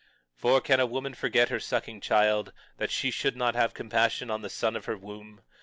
21:15 For can a woman forget her sucking child, that she should not have compassion on the son of her womb?